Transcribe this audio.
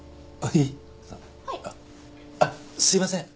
あっすいません。